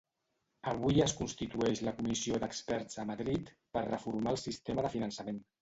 Avui es constitueix la comissió d'experts a Madrid per reformar el sistema de finançament.